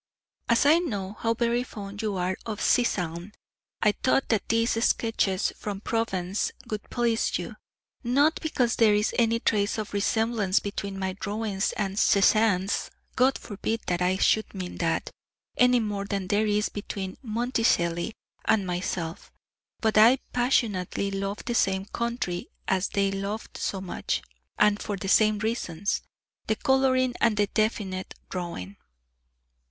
As I know how very fond you are of Cézanne, I thought that these sketches from Provence would please you. Not because there is any trace of resemblance between my drawings and Cézanne's God forbid that I should mean that any more than there is between Monticelli and myself; but I passionately love the same country as they loved so much, and for the same reasons the colouring and the definite drawing.